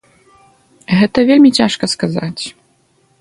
Гэта вельмі цяжка сказаць.